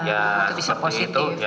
ya seperti itu